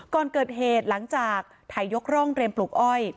ก่อนเกิดเหตุหลังจากถ่ายยกร่องเตรียมปลูกอ้อย